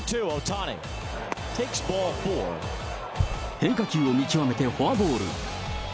変化球を見極めてフォアボール。